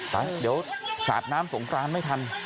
ไปเดี๋ยวสาดน้ำสงครานไม่ทัน